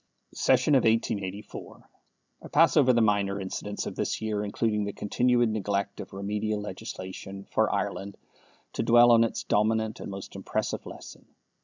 Session of 1884. I pass over the minor incidents of this year, including the continued neglect of remedial legislation for Ireland to dwell on its dominant and most impressive lesson.